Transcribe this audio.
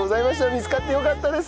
見つかってよかったです！